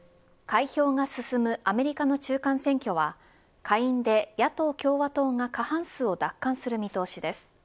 開票が進むアメリカの中間選挙は下院で野党・共和党が過半数を奪還する見通しです。